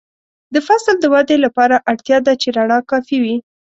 د فصل د ودې لپاره اړتیا ده چې رڼا کافي وي.